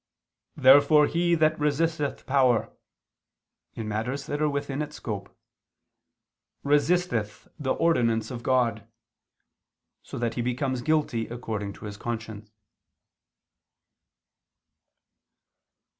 . "therefore he that resisteth the power," in matters that are within its scope, "resisteth the ordinance of God"; so that he becomes guilty according to his conscience.